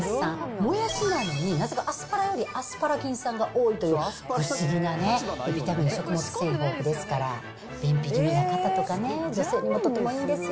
もやしなのになぜかアスパラよりアスパラギン酸が多いという、不思議なビタミン、食物繊維豊富ですから、便秘気味な方とかね、女性にもとってもいいんですよ。